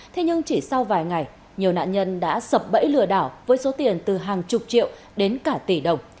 thế nhưng chỉ sau vài ngày nhiều nạn nhân đã sập bẫy lừa đảo với số tiền từ hàng chục triệu đến cả tỷ đồng